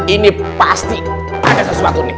ini pasti ada sesuatu nih